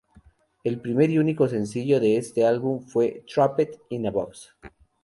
El primer y único sencillo de este álbum fue "Trapped in a Box".